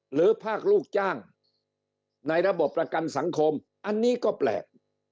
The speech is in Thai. หรือภาคลูกจ้างในระบบประกันสังคมอันนี้ก็แปลก